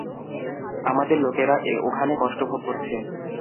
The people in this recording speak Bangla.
আমাদের লোকেরা ওখানে কষ্ট ভোগ করছে।